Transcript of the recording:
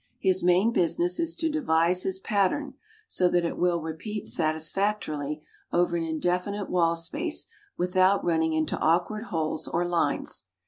His main business is to devise his pattern so that it will repeat satisfactorily over an indefinite wall space without running into awkward holes or lines.